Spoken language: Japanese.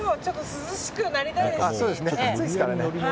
涼しくなりたいですし。